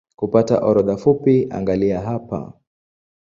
Kupata orodha fupi angalia hapa